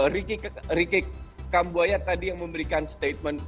rikik kambuaya tadi yang memberikan statement